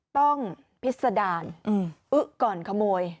ต้องพิษดาญอึ๊กก่อนขโมย